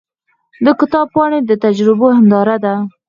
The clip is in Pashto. د کتاب پاڼې د تجربو هنداره ده.